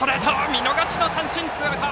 見逃し三振、ツーアウト！